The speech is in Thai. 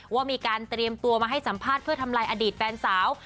ว่ามีการเตรียมตัวมาให้สัมภาษณ์เพื่อทำลายอดีตแฟนสาว